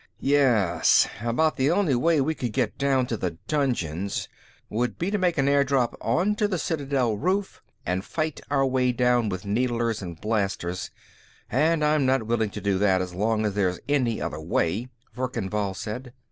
"Yes. About the only way we could get down to the dungeons would be to make an airdrop onto the citadel roof and fight our way down with needlers and blasters, and I'm not willing to do that as long as there's any other way," Verkan Vall said.